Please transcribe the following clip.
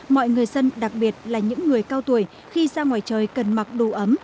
mọi người dân đặc biệt là những người cao tuổi khi ra ngoài trời cần mặc đủ ấm